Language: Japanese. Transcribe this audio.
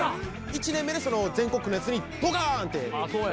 １年目で全国区のやつにドカーンって。